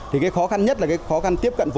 thì cái khó khăn nhất là cái khó khăn tiếp cận vốn